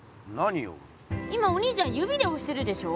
今お兄ちゃん指でおしてるでしょ。